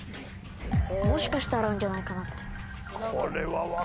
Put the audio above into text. もしかしたらあるんじゃないかなって。